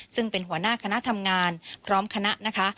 ซึ่งเป็นหัวหน้าคณะทำงานพร้อมคณะนะคะ